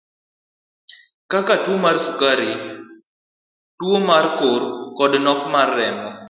Kaka tuo mar sukari, tuo mar kor koda nok mar remo.